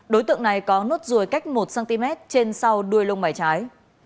đối tượng này có nốt ruồi cách một cm trên sau đuôi lông mảy trái